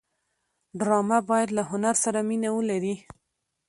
ډرامه باید له هنر سره مینه ولري